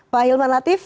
pak hilman latif